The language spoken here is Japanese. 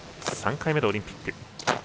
３回目のオリンピック。